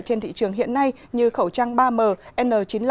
trên thị trường hiện nay như khẩu trang ba m chín mươi năm